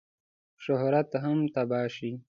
شهرت هم تباه شي.